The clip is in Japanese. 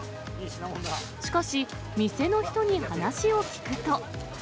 しかし、店の人に話を聞くと。